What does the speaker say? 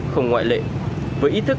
không ngoại lệ với ý thức